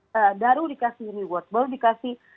baru dikasih reward baru dikasih